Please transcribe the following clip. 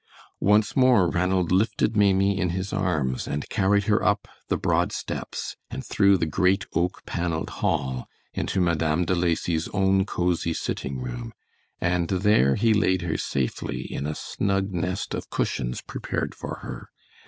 Once more Ranald lifted Maimie in his arms and carried her up the broad steps, and through the great oak paneled hall into Madame De Lacy's own cosy sitting room, and there he laid her safely in a snug nest of cushions prepared for her.